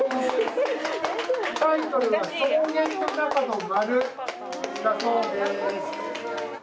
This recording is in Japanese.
タイトルは「草原の中の丸」だそうです。